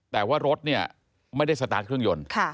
แต่ว่ารถเนี่ยไม่ได้สตาร์ทเครื่องยนต์